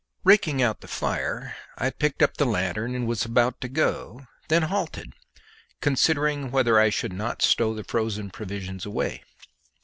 Raking out the fire, I picked up the lanthorn and was about to go, then halted, considering whether I should not stow the frozen provisions away.